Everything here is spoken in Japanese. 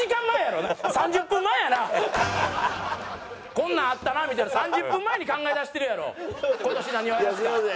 こんなんあったなみたいなん３０分前に考えだしてるやろ今年何をやらすか。